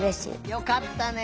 よかったね！